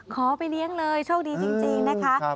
ขอไปเลี้ยงเลยโชคดีจริงนะคะ